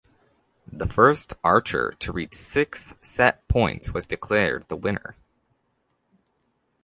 The first archer to reach six set points was declared the winner.